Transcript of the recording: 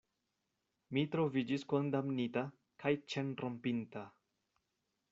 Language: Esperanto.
Mi troviĝis kondamnita kaj ĉenrompinta.